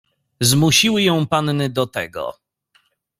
"Zmusiły ją panny do tego."